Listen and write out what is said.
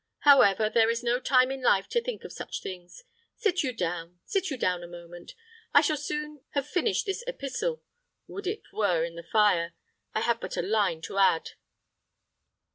However, there is no time in life to think of such things. Sit you down sit you down a moment. I shall soon have finished this epistle would it were in the fire. I have but a line to add."